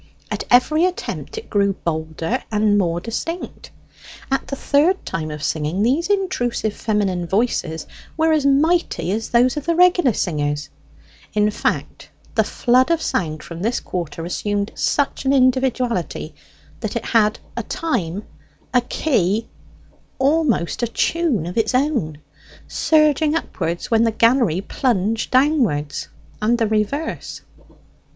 At every attempt it grew bolder and more distinct. At the third time of singing, these intrusive feminine voices were as mighty as those of the regular singers; in fact, the flood of sound from this quarter assumed such an individuality, that it had a time, a key, almost a tune of its own, surging upwards when the gallery plunged downwards, and the reverse.